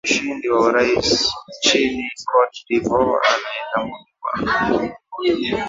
mshindi wa urais nchini cote de voire anayetambuliwa